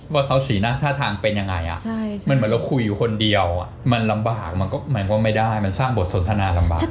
ว่าเขาสีหน้าท่าทางเป็นยังไงมันเหมือนเราคุยอยู่คนเดียวมันลำบากมันก็ไม่ได้มันสร้างบทสนทนาลำบาก